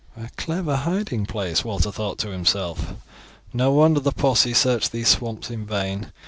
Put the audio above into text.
"A clever hiding place," Walter thought to himself. "No wonder the posse search these swamps in vain.